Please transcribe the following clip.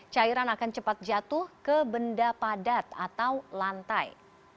cairan akan cepat jatuh ke benda padat atau lantai